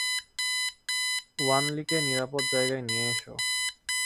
ওয়ানলিকে নিরাপদ জায়গায় নিয়ে এসো।